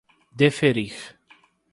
deferir